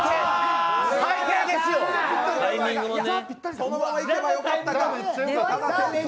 そのままいけばよかったか？